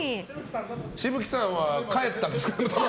紫吹さんは帰ったんですか？